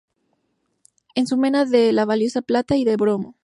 Es una mena de la valiosa plata y de bromo.